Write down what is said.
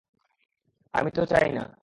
আমি তো চাই না।